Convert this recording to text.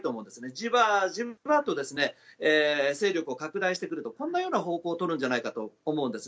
じわじわと勢力を拡大してくるとこんなような方向を取るんじゃないかと思うんです。